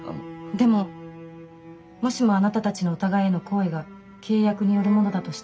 でももしもあなたたちのお互いへの好意が契約によるものだとしたら。